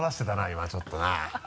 今ちょっとな。